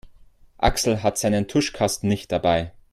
Axel hat seinen Tuschkasten nicht dabei.